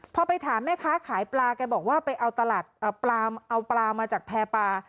พอไปถามแม่ค้าขายปลาแกบอกว่าไปเอาตลาดเอาปลามาจากแพร่ปลา